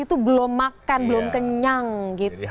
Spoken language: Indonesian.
itu belum makan belum kenyang gitu